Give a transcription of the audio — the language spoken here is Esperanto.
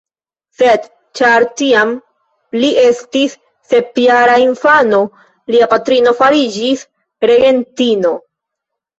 Sed ĉar tiam li estis sepjara infano, lia patrino fariĝis regentino.